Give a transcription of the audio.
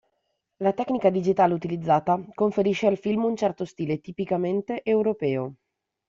La tecnica digitale utilizzata conferisce al film un certo stile tipicamente europeo.